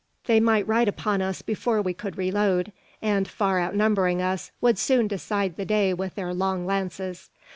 They might ride upon us before we could reload; and, far outnumbering us, would soon decide the day with their long lances.